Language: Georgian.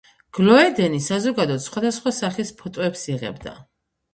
გლოედენი, საზოგადოდ, სხვადასხვა სახის ფოტოებს იღებდა.